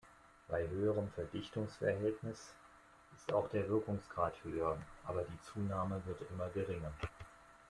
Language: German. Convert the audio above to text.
Bei höherem Verdichtungsverhältnis ist auch der Wirkungsgrad höher, aber die Zunahme wird immer geringer.